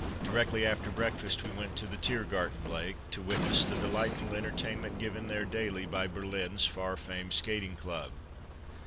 Directly after breakfast we went to the Thiergarten Lake to wit ness the delightful entertainment given there daily by Berlin's far famed Skating Club.